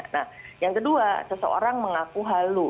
nah yang kedua seseorang mengaku halu